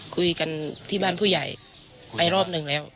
คุยกันที่บ้านผู้ใหญ่ไปรอบหนึ่งแล้ว